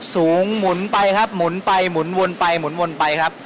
หมุนไปครับหมุนไปหมุนวนไปหมุนวนไปครับ